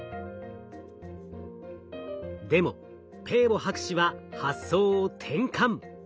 でもペーボ博士は発想を転換。